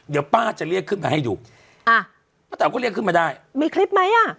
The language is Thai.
เดี๋ยวป้าจะเรียกขึ้นมาให้ดูอ่ะป้าแต๋วก็เรียกขึ้นมาได้มีคลิปไหมอ่ะ